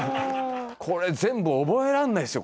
これ全部覚えられないですよ。